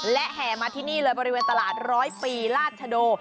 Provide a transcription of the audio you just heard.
และแห่มาที่นี่เลยบริเวณตลาดร้อยปีราชโด